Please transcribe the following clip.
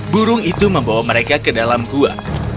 burung itu membawa mereka ke dalam gua